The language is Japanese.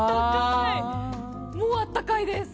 もうあったかいです。